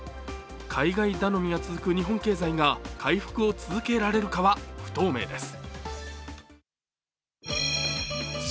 海外頼みが続く日本経済が回復を続けられるかは不透明です。